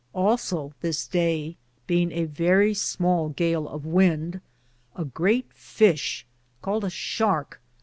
Also this daye, beinge a verrie smale gale of wynde, a great fishe caled a storke (shark